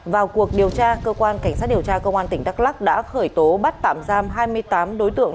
vào cuộc điều tra cơ quan cảnh sát điều tra công an tỉnh đắk lắc đã khởi tố bắt tạm giam hai mươi tám đối tượng